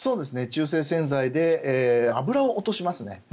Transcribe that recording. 中性洗剤で油を落としますね。